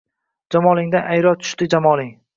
Jamolingdan ayro tushdi Jamoling